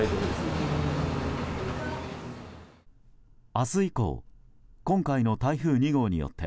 明日以降今回の台風２号によって